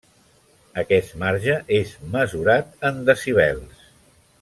Aquest marge és mesurat en decibels.